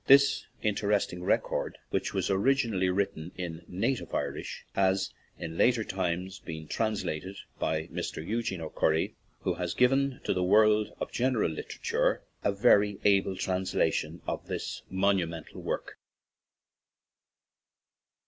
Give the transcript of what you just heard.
This interesting record, which was originally written in native Irish, has in later times been translated by Mr. Eugene O'Curry, who has given to the world of general literature a very able translation of this monumental work.